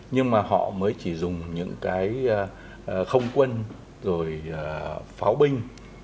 nhưng mà họ mới chỉ dùng những cái không quân rồi pháo binh